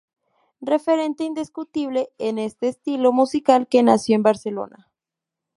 Referente indiscutible en este estilo musical que nació en Barcelona.